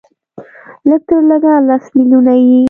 لږ تر لږه لس ملیونه یې